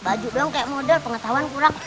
baju belum kayak model pengetahuan kurang